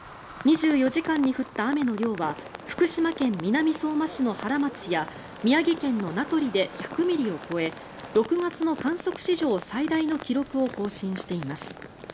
２４時間に降った雨の量は福島県南相馬市の原町や宮城県の名取で１００ミリを超え６月の観測史上最大の記録を更新しています。